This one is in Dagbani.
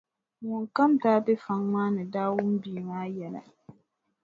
Ŋun kam daa be fɔŋ maa ni daa wum bia maa yɛla.